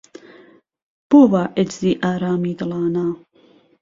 بۆ وا عێجزی ئارامی دڵانه